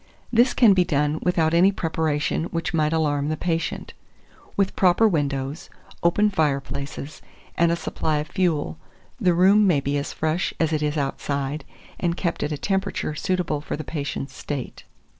This can be done without any preparation which might alarm the patient; with proper windows, open fireplaces, and a supply of fuel, the room may be as fresh as it is outside, and kept at a temperature suitable for the patient's state.